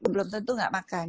belum tentu gak makan